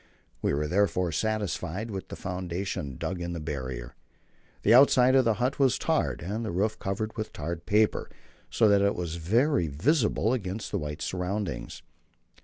We were therefore satisfied with the foundation dug in the Barrier. The outside of the but was tarred, and the roof covered with tarred paper, so that it was very visible against the white surroundings.